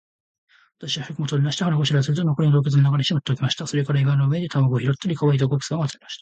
私は食物を取り出して、腹ごしらえをすると、残りは洞穴の中にしまっておきました。それから岩の上で卵を拾ったり、乾いた枯草を集めました。